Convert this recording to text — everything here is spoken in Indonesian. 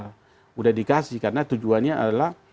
sudah dikasih karena tujuannya adalah